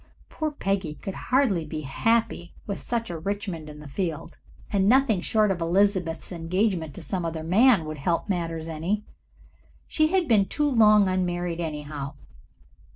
Poor Peggy could hardly be happy with such a Richmond in the field, and nothing short of Elizabeth's engagement to some other man would help matters any. She had been too long unmarried, anyhow.